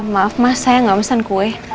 maaf ma saya gak pesan kue